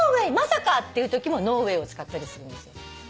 まさかっていうときも「Ｎｏｗａｙ．」を使ったりするんですよ。